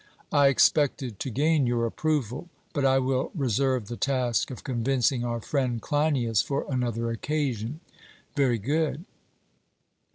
I expected to gain your approval; but I will reserve the task of convincing our friend Cleinias for another occasion. 'Very good.'